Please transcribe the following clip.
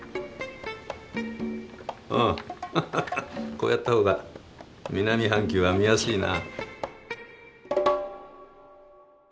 こうやった方が南半球は見やすいな。